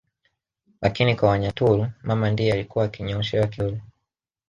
Lakini kwa Wanyaturu mama ndiye alikuwa akinyooshewa kidole